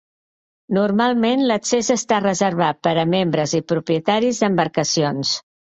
Normalment l'accés està reservat per a membres i propietaris d'embarcacions.